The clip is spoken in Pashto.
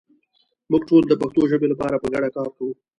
موږ ټول د پښتو ژبې لپاره په ګډه کار کوو.